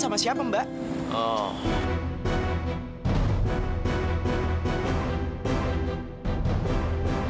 kali ngambuk gini mau boleh nih